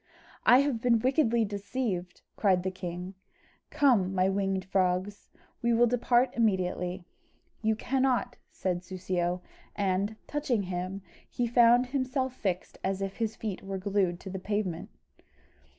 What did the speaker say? "I have been wickedly deceived!" cried the king; "come, my winged frogs, we will depart immediately." "You cannot," said Soussio; and, touching him, he found himself fixed as if his feet were glued to the pavement.